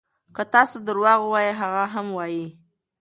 که تاسو درواغ ووایئ هغه هم وایي.